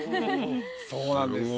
そうなんです。